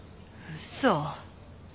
嘘。